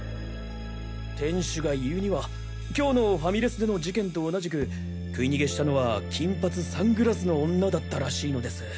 店主が言うには今日のファミレスでの事件と同じく食い逃げしたのは金髪サングラスの女だったらしいのです。